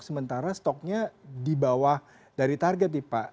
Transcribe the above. sementara stoknya di bawah dari target nih pak